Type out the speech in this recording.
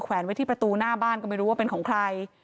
ไว้ที่ประตูหน้าบ้านก็ไม่รู้ว่าเป็นของใคร